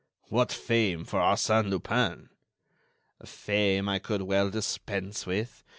"What fame for Arsène Lupin!" "Fame I could well dispense with.